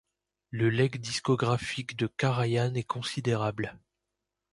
Le legs discographique de Karajan est considérable.